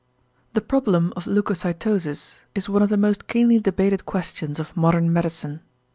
The problem of leucocytosis is one of the most keenly debated questions of modern medicine.